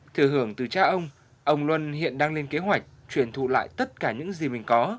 thừa hưởng từ cha ông ông luân hiện đang lên kế hoạch truyền thụ lại tất cả những gì mình có